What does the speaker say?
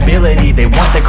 selalu bersama kamu